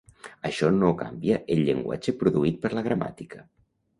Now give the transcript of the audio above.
Això no canvia el llenguatge produït per la gramàtica.